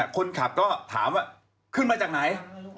คนขับก็ถามว่าขึ้นมาจากไหน